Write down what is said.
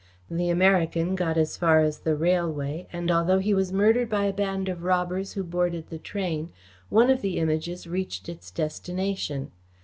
The American got as far as the railway, and, although he was murdered by a band of robbers who boarded the train, one of the Images reached its destination.